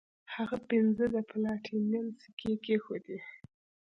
هغه پنځه د پلاټینم سکې کیښودې.